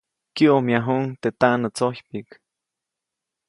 Kyäʼomyajuʼuŋ teʼ taʼnätsojpyiʼk.